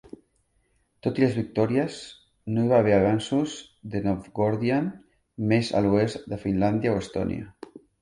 Tot i les victòries, no hi va haver avanços de Novgorodian més a l'oest de Finlàndia o Estònia.